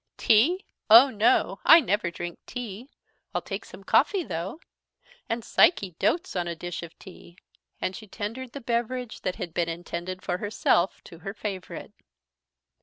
"Tea! oh no, I never drink tea. I'll take some coffee though; and Psyche doats on a dish of tea." And she tendered the beverage that had been intended for herself to her favourite.